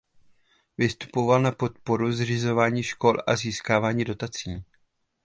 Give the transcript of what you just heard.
Vystupoval na podporu zřizování škol a získávání dotací.